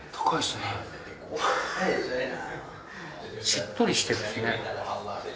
しっとりしてるしね。